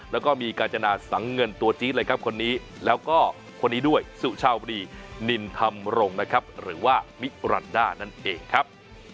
แล้วก็มีกาญจนาศสังเงินตัวจี๊ดแล้วก็คนนี้ด้วยซู่เช่าบรินินทรรมรงค์นั่นเองครับ